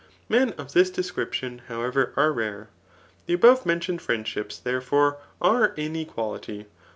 Men of this description, however, are rare. The above mendoned friendships,, therefore, are in equality.